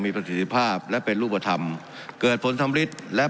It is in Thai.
มีประสิทธิภาพและเป็นรูปธรรมเกิดผลสำริดและ